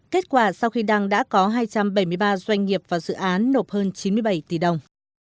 kết quả sau khi đăng đã có hai trăm bảy mươi ba doanh nghiệp vào dự án nộp hơn chín mươi bảy tỷ đồng